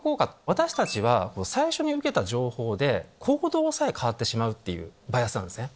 私たちは最初に受けた情報で行動さえ変わってしまうっていうバイアスなんですね。